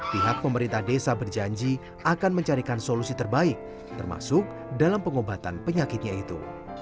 pihak pemerintah desa berjanji akan mencarikan solusi terbaik termasuk dalam pengobatan penyakitnya itu